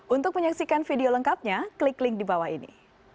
untuk menyaksikan video lengkapnya klik link di bawah ini